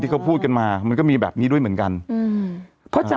อ๋อที่เราเคยยินได้ยินเด็ก